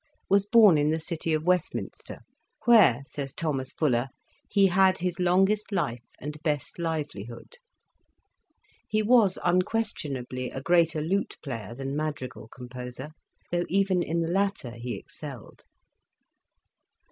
was born in the city of Westminster, where, says Thomas Fuller, '' he had his longest life and best live lihood." He was unquestionably a greater lute player than madrigal composer, though even in the latter he excelled.